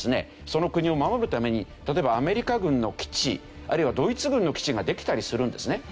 その国を守るために例えばアメリカ軍の基地あるいはドイツ軍の基地ができたりするんですね。